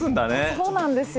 そうなんですよ。